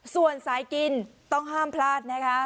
ส่วนสายกินต้องห้ามพลาดนะคะ